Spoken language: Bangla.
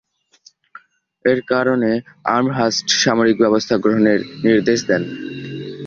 এর কারনে আমহার্স্ট সামরিক ব্যবস্থা গ্রহণের নির্দেশ দেন।